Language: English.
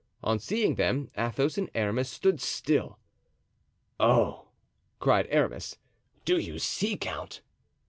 On seeing them Athos and Aramis stood still. "Oh!" cried Aramis, "do you see, count?"